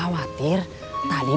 kamu kan kenapa pulang